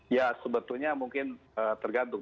ya sebetulnya mungkin tergantung